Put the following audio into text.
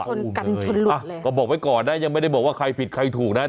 ชนกันชนหลุดอ่ะก็บอกไว้ก่อนนะยังไม่ได้บอกว่าใครผิดใครถูกนะ